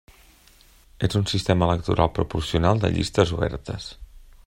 És un sistema electoral proporcional de llistes obertes.